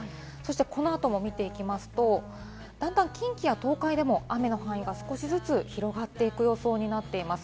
この後も見ていきますと近畿や東海でも雨の範囲が少しずつ広がっていく予想になっています。